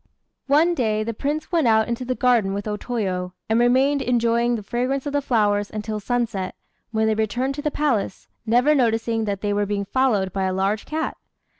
One day the Prince went out into the garden with O Toyo, and remained enjoying the fragrance of the flowers until sunset, when they returned to the palace, never noticing that they were being followed by a large cat.